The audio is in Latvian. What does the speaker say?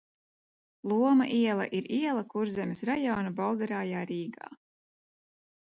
Loma iela ir iela Kurzemes rajona Bolderājā, Rīgā.